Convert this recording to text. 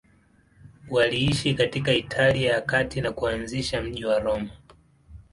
Waliishi katika Italia ya Kati na kuanzisha mji wa Roma.